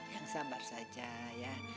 yang sabar saja ya